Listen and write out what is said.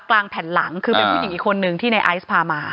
กลางแผ่นหลังคือเป็นผู้หญิงอีกคนนึงที่ในไอซ์พามา